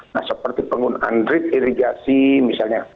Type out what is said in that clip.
nah seperti penggunaan drift irigasi misalnya